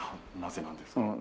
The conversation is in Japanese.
なぜなんですか？